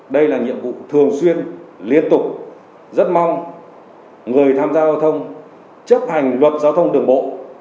đây là nhiệm vụ thường xuyên liên tục rất mong người tham gia giao thông chấp hành luật giao thông đường bộ